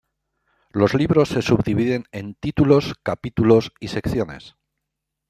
Los libros se subdividen en títulos, capítulos y secciones.